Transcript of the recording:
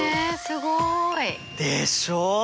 すごい！でしょ？